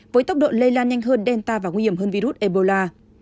với tốc độ lây lan nhanh hơn delta và nguy hiểm hơn virus ebola